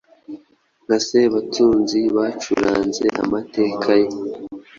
nka Sebatunzi bacuranze amateka ye